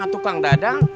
atau kang dadang